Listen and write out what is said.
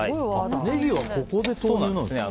ネギはここで投入なんですね。